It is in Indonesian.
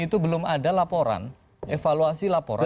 itu belum ada laporan evaluasi laporan